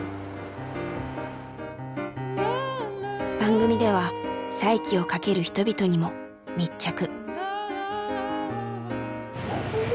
番組では再起をかける人々にも密着。